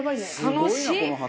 楽しい！